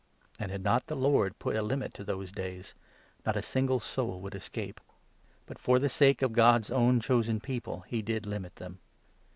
And, had not the Lord put a limit to those days, not a single soul would escape ; but, for the sake of God's own chosen People, he did limit them.